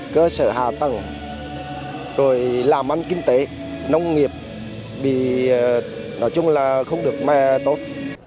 cơ sở hạ tầng rồi làm ăn kinh tế nông nghiệp thì nói chung là không được tốt